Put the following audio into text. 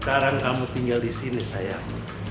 sekarang kamu tinggal disini sayang